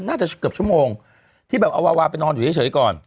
น่าจะเกือบชั่วโมงที่แบบเอาวาวาไปนอนอยู่เฉยก่อน